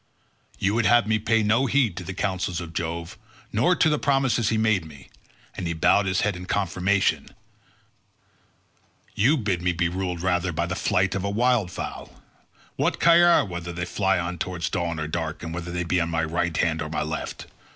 You would have me pay no heed to the counsels of Jove, nor to the promises he made me—and he bowed his head in confirmation; you bid me be ruled rather by the flight of wild fowl. What care I whether they fly towards dawn or dark, and whether they be on my right hand or on my left?